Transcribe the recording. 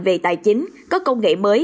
về tài chính có công nghệ mới